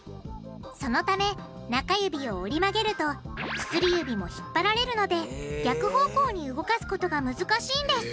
そのため中指を折り曲げると薬指も引っ張られるので逆方向に動かすことが難しいんです